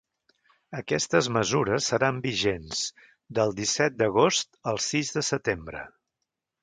Aquestes mesures seran vigents del disset d’agost al sis de setembre.